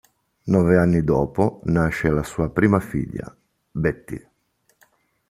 Nove anni dopo nasce la sua prima figlia, Betty.